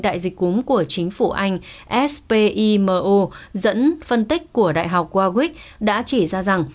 đại dịch cúng của chính phủ anh spimo dẫn phân tích của đại học warwick đã chỉ ra rằng